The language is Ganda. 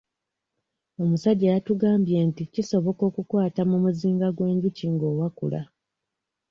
Omusajja yatugambye nti kisoboka okukwata mu muzinga gw'enjuki ng'owakula.